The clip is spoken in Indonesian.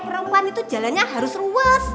perempuan itu jalannya harus ruas